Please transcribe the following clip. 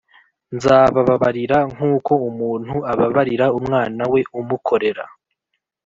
nzabababarira nk’uko umuntu ababarira umwana we umukorera.